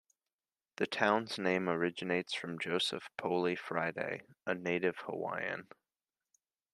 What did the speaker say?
The town's name originates from Joseph Poalie Friday, a native Hawaiian.